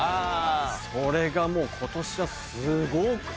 それがもう今年はすごくて。